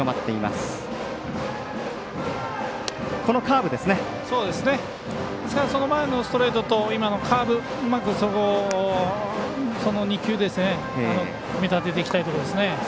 その前のストレートと今のカーブうまく、その２球を組み立てていきたいところですね。